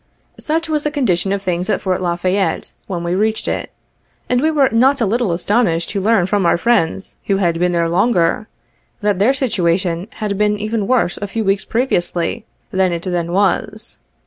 Such was the condition of things at Fort La Fayette when we reached it, and we were not a little astonished to learn from our friends, who had been there longer, that their situation had been even worse a few weeks previously, than it then was.